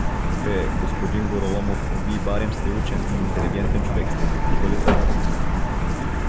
Бе, г-н Гороломов, вий барем сте учен, интелигентен човек сте, бива ли тъй?